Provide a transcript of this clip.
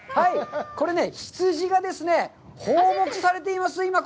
これね、羊がですね、放牧されています、今。